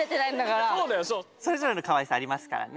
それぞれのかわいさありますからね。